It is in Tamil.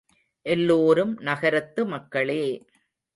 எல்லோரும் நகரத்து மக்களே.